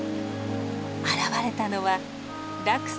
現れたのは落差